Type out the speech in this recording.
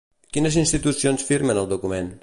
Quines institucions firmen el document?